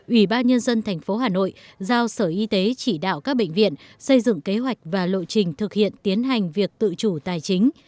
ủy ban nhân dân tp hà nội giao sở y tế chỉ đạo các bệnh viện xây dựng kế hoạch và lộ trình thực hiện tiến hành việc tự chủ tài chính